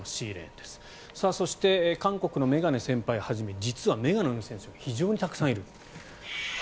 そして韓国の眼鏡先輩はじめ実は眼鏡の選手が非常にたくさんいる。